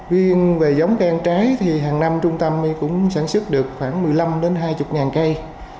việc về giống càng trái thì hàng năm trung tâm cũng sản xuất được khoảng một mươi năm hai mươi cây